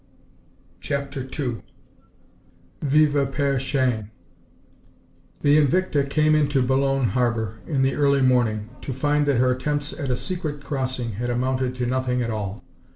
CHAPTER II "VIVE PAIR SHANG!" THE Invicta came into Boulogne harbor in the early morning, to find that her attempts at a secret crossing had amounted to nothing at all.